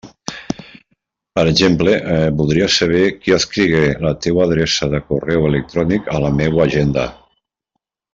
Per exemple, voldria saber qui escrigué la teua adreça de correu electrònic a la meua agenda.